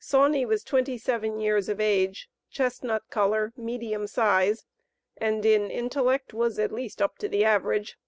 Sauney was twenty seven years of age, chestnut color, medium size, and in intellect was at least up to the average.